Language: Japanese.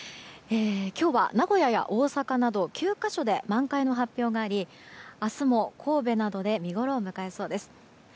今日は名古屋や大阪など９か所で満開の発表があり明日、神戸などで見ごろを迎えそうです。